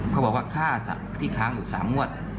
เขาบอกว่าค่าที่ค้างอยู่๓มวด